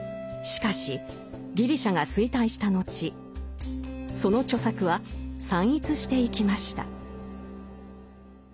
しかしギリシャが衰退した後その著作は散逸していきました。